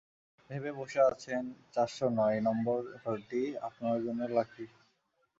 ভেবে বসে আছেন চারশো নয় নম্বর ঘরটি আপনার জন্যে লাকি।